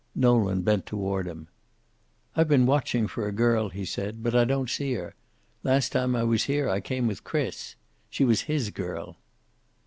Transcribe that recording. Nolan bent toward him. "I've been watching for a girl," he said, "but I don't see her. Last time I was here I came with Chris. She was his girl."